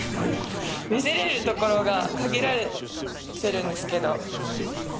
見せれるところが限られてるんですけど。